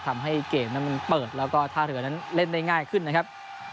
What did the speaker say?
ทำให้เกมนั้นมันเปิดแล้วก็ท่าเรือนั้นเล่นได้ง่ายขึ้นนะครับ